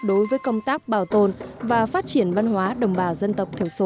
đối với công tác bảo tồn và phát triển văn hóa đồng bào dân tộc thiểu số